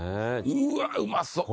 うわっうまそう！